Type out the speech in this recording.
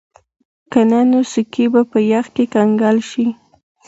که نه نو سکي به په یخ کې کنګل شي